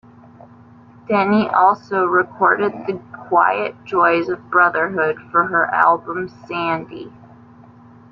Denny also recorded "The Quiet Joys of Brotherhood" for her album "Sandy".